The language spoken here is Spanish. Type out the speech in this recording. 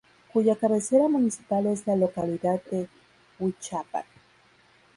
Cuya cabecera municipal es la localidad de Huichapan.